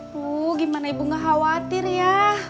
wuh gimana ibu gak khawatir ya